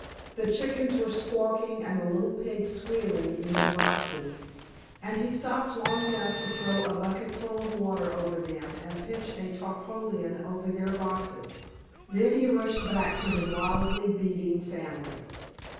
The chickens were squawking and the little pigs squealing in their boxes, and he stopped long enough to throw a bucketful of water over them, and pitch a tarpaulin over their boxes. Then he rushed back to the wildly beating family.